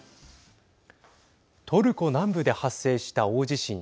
トルコ南部で発生した大地震。